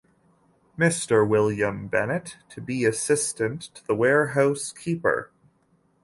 Mr. William Bennet, to be assistant to the warehouse-keeper.